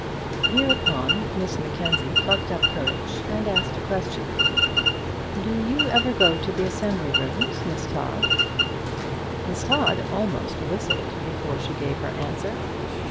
Hereupon Miss Mackenzie plucked up courage and asked a question. "Do you ever go to the assembly rooms, Miss Todd?" Miss Todd almost whistled before she gave her answer.